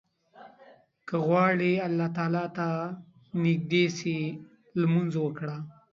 که غواړې الله ته نيږدى سې، لمونځ وکړه.